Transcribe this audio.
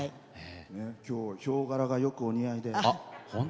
きょう、ひょう柄がよくお似合いで。